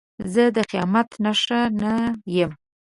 زه د قیامت نښانه یم.